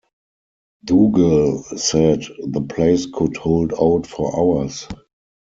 Dougal said the place could hold out for hours.